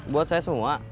buat saya semua